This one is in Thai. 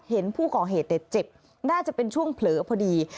เห็นผู้ก่อเหตุเจ็บน่าจะเป็นช่วงเผลอพอดี